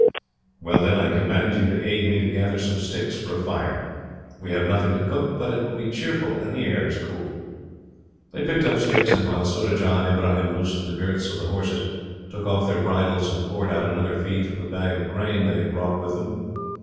"Well, then, I command you to aid me to gather some sticks for a fire. We have nothing to cook, but it will be cheerful, and the air is cool." They picked up sticks, while Surajah and Ibrahim loosened the girths of the horses, took off their bridles, and poured out another feed from the bag of grain they had brought with them.